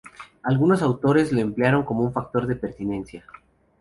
Algunos autores lo emplearon como un factor de pertinencia.